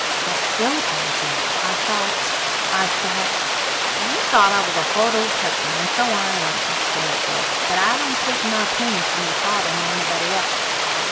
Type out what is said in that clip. "Aunt Philippa," I gasped. "I thought I thought " "You thought I was a hard old customer, and so I am," said Aunt Philippa. "But I don't take my opinions from your father nor anybody else.